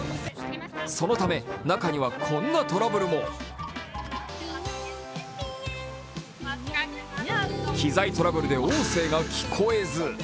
そのため、中にはこんなトラブルも機材トラブルで音声が聞こえず。